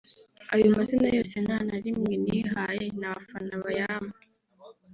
Ayo mazina yose nta na rimwe nihaye ni abafana bayampa